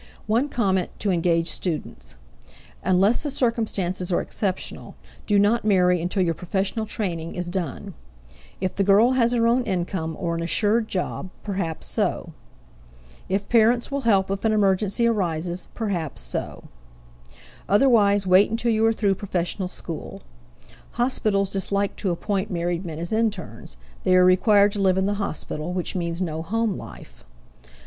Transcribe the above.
One comment to engaged students: Unless the circumstances are exceptional, do not marry until your professional training is done. If the girl has her own income or an assured job, perhaps so; if parents will help if an emergency arises, perhaps so; otherwise wait until you are through professional school. Hospitals dislike to appoint married men as internes; they are required to live in the hospital, which means no home life.